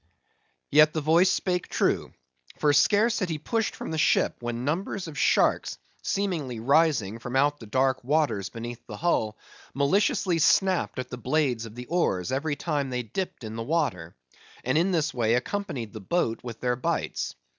Yet the voice spake true; for scarce had he pushed from the ship, when numbers of sharks, seemingly rising from out the dark waters beneath the hull, maliciously snapped at the blades of the oars, every time they dipped in the water; and in this way accompanied the boat with their bites.